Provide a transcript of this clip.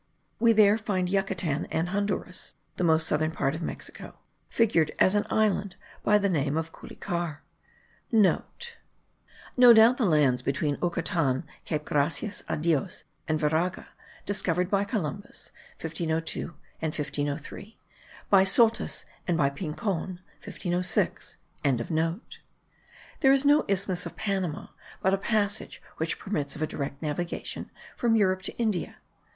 We there find Yucatan and Honduras (the most southern part of Mexico)* figured as an island, by the name of Culicar. (* No doubt the lands between Uucatan, Cape Gracias a Dios, and Veragua, discovered by Columbus (1502 and 1503), by Solis, and by Pincon (1506).) There is no isthmus of Panama, but a passage, which permits of a direct navigation from Europe to India.